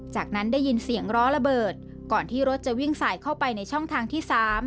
จากนั้นได้ยินเสียงล้อระเบิดก่อนที่รถจะวิ่งสายเข้าไปในช่องทางที่๓